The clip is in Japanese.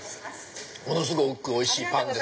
ものすごくおいしいパンです。